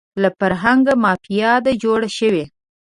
له فرهنګه مافیا ده جوړه شوې